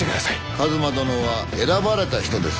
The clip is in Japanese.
一馬殿は選ばれた人です。